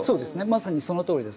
まさにそのとおりです。